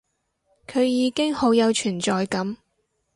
佢已經好有存在感